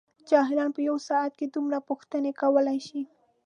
جاهلان په یوه ساعت کې دومره پوښتنې کولای شي.